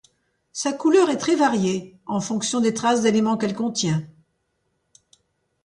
Sa couleur est très variée, en fonction des traces d'éléments qu'elle contient.